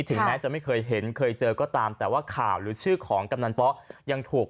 ถึงแม้จะไม่เคยเห็นเคยเจอก็ตามแต่ว่าข่าวหรือชื่อของกำนันป๊อยังถูก